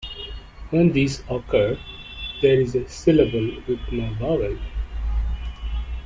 When these occur, there is a syllable with no vowel.